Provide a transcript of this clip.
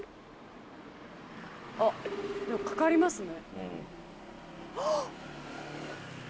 でもかかりますね。